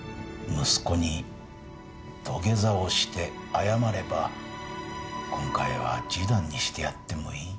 息子に土下座をして謝れば今回は示談にしてやってもいい。